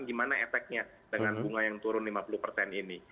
gimana efeknya dengan bunga yang turun lima puluh persen ini